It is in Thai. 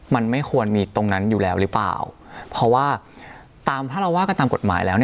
มันไม่ควรมีตรงนั้นอยู่แล้วหรือเปล่าเพราะว่าตามถ้าเราว่ากันตามกฎหมายแล้ว